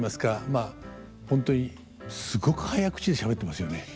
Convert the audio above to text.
まあ本当にすごく早口でしゃべってますよね。